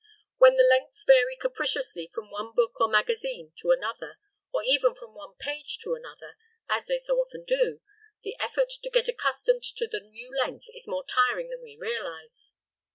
When the lengths vary capriciously from one book, or magazine, to another, or even from one page to another, as they so often do, the effort to get accustomed to the new length is more tiring than we realize.